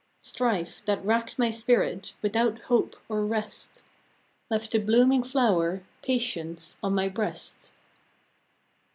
Strife, that racked my spirit Without hope or rest, Left the blooming flower, Patience on my breast.